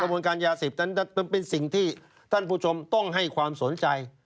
บนการยาเสพนั้นเป็นสิ่งที่ท่านผู้ชมต้องให้ความสนใจ